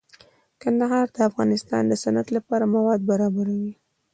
کندهار د افغانستان د صنعت لپاره مواد برابروي.